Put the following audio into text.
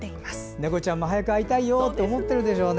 猫ちゃんも早く会いたいよと思っているでしょうね。